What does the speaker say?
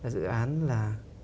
dự án là